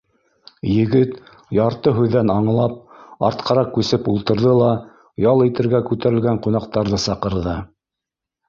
Егет, ярты һүҙҙән аңлап, артҡараҡ күсеп ултырҙы ла ял итергә күтәрелгән ҡунаҡтарҙы саҡырҙы: